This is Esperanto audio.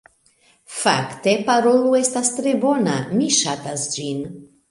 Fakte, Parolu estas tre bona, mi ŝatas ĝin